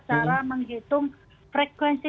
cara menghitung frekuensi